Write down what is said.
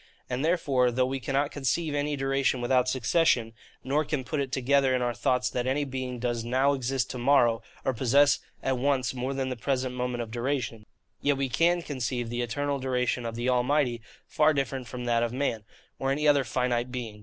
And therefore, though we cannot conceive any duration without succession, nor can put it together in our thoughts that any being does NOW exist to morrow, or possess at once more than the present moment of duration; yet we can conceive the eternal duration of the Almighty far different from that of man, or any other finite being.